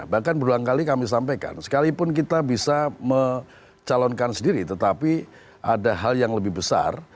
bahkan berulang kali kami sampaikan sekalipun kita bisa mencalonkan sendiri tetapi ada hal yang lebih besar